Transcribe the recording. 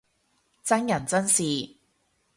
真人真事